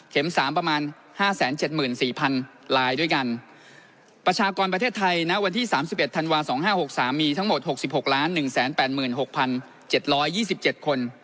เข็มสามประมาณห้าแสนเจ็ดหมื่นสี่พันลายด้วยกันประชากรประเทศไทยนะวันที่สามสิบเอ็ดธันวาสองห้าหกสามมีทั้งหมดหกสิบหกล้านหนึ่งแสนแปดหมื่นหกพันเจ็ดร้อยยี่สิบเจ็ดคน